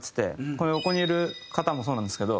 この横にいる方もそうなんですけど。